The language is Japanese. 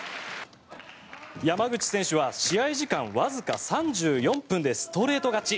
山口選手は試合時間わずか３４分でストレート勝ち。